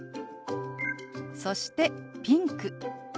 そして「ピンク」。